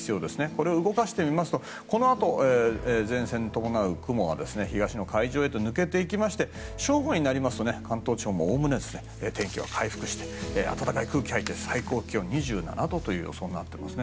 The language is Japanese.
これを動かしてみますとこのあと前線を伴う雲は東の海上へと抜けていきまして正午になりますと関東地方もおおむね天気は回復して暖かい空気が入って最高気温２７度という予想になっています。